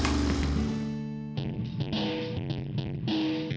terima kasih chandra